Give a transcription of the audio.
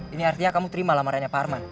ini artinya kamu terima lamarannya pak arman